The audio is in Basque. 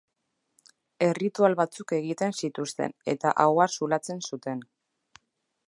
Erritual batzuk egiten zituzten, eta ahoa zulatzen zuten.